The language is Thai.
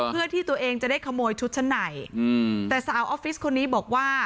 เพื่อที่ตัวเองจะได้ขโมยชุดชั้นในแต่สาวออฟฟิศคนนี้บอกว่า